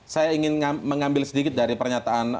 saya ingin mengambil sedikit dari pernyataan